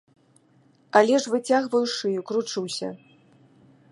Але ж выцягваю шыю, кручуся.